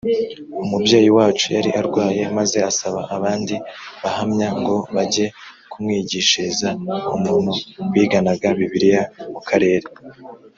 umubyeyi wacu yari arwaye maze asaba abandi bahamya ngo bajye kumwigishiriza umuntu biganaga bibiliya mu karere.